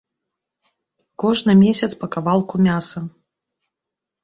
Кожны месяц па кавалку мяса.